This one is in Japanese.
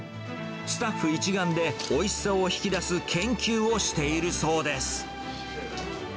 スタッフ一丸で、おいしさを引き出す研究をしているそうです。